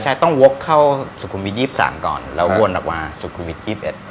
ใช่ต้องโว๊คเข้าสุขุมีที่๒๓ก่อนแล้ววนออกมาสุขุมีที่๒๑